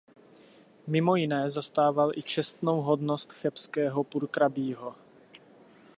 Mimo jiné zastával i čestnou hodnost chebského purkrabího.